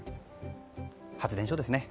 発電所ですね。